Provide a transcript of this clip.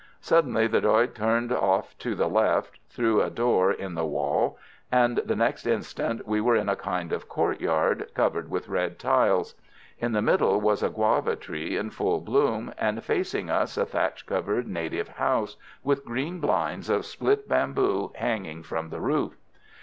Suddenly the Doy turned off to the left, through a door in the wall, and the next instant we were in a kind of courtyard, covered with red tiles. In the middle was a guava tree in full bloom, and facing us a thatch covered native house, with green blinds of split bamboo hanging from the roof.